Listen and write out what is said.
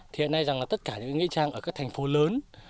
thì hiện nay rằng là tất cả những nghĩa trang ở các thành phố lớn